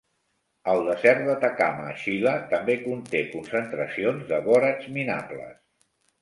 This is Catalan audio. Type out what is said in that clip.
El desert d'Atacama a Xile també conté concentracions de borats minables.